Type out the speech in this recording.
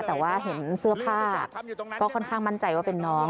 แต่ว่าเห็นเสื้อผ้าก็ค่อนข้างมั่นใจว่าเป็นน้อง